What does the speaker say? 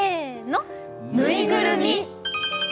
ぬいぐるみ！